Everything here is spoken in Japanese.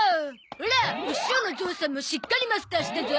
オラお師匠のゾウさんもしっかりマスターしたゾ！